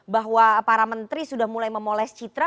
bahwa para menteri sudah mulai memoles citra